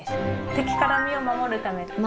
敵から身を守るためですね。